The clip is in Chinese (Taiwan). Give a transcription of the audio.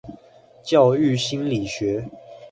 教育心理學